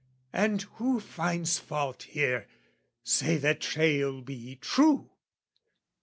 And who finds fault here, say the tale be true?